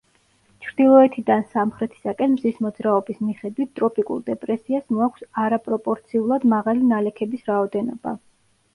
ჩრდილოეთიდან სამხრეთისაკენ მზის მოძრაობის მიხედვით ტროპიკულ დეპრესიას მოაქვს არაპროპორციულად მაღალი ნალექების რაოდენობა.